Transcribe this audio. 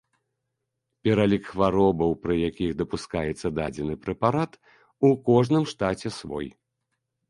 Пералік хваробаў, пры якіх дапускаецца дадзены прэпарат, у кожным штаце свой.